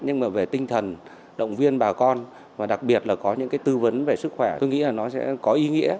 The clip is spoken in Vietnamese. nhưng mà về tinh thần động viên bà con và đặc biệt là có những cái tư vấn về sức khỏe tôi nghĩ là nó sẽ có ý nghĩa